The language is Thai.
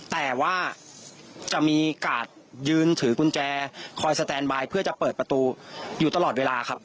แต่ว่าจะมีกาดยืนถือกุญแจคอยสแตนบายเพื่อจะเปิดประตูอยู่ตลอดเวลาครับ